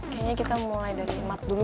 kayaknya kita mulai dari simat dulu